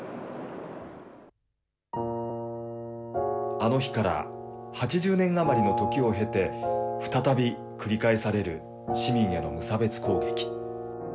あの日から８０年余りのときを経て、再び繰り返される市民への無差別攻撃。